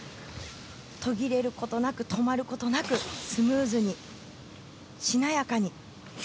途切れることなく止まることなくスムーズにしなやかに。